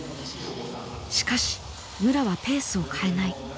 しかし武良はペースを変えない。